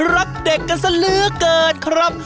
รักเด็กกันซะเหลือเกินครับ